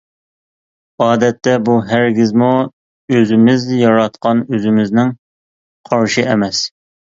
ئادەتتە بۇ ھەرگىزمۇ ئۆزىمىز ياراتقان ئۆزىمىزنىڭ قارىشى ئەمەس!